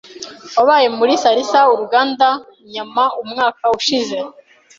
Wabaye muri Salsa uruganda nyama umwaka ushize?